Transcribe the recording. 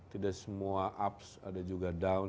tidak semua ups ada juga down